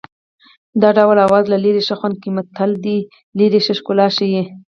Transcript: د ډول آواز له لرې ښه خوند کوي متل د لرې شي ښکلا ښيي